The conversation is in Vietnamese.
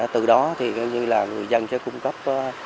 từ đó người dân sẽ cung cấp